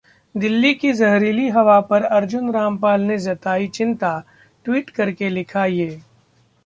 दिल्ली की जहरीली हवा पर अर्जुन रामपाल ने जताई चिंता, ट्वीट करके लिखा ये